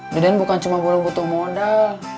deden bukan cuma belum butuh modal